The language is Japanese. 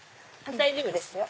大丈夫ですよ。